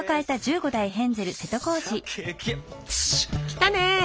来たね！